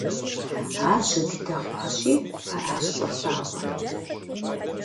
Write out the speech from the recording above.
Ар жьы дыдэ хъуащи, аращ щӀэлъаӀуэр.